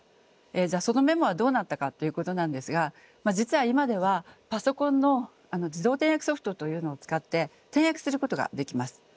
じゃあそのメモはどうなったかということなんですが実は今ではパソコンの自動点訳ソフトというのを使って点訳することができます。